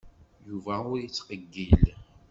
Yuba ur yettqeyyil.